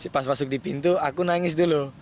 pas masuk di pintu aku nangis dulu